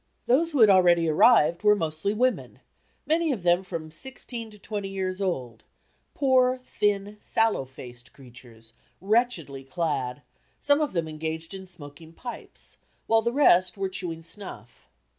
Those who had already arrived were mostly women, many of them from sixteen to twenty years old poor, thin, sallow faced creatures, wretchedly clad, some of them engaged in smoking pipes, while the rest were chewing snuff.